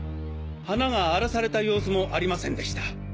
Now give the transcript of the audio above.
花が荒らされた様子もありませんでした。